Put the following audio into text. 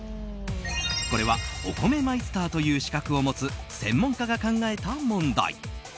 これはお米マイスターという資格を持つ専門家が考えた問題。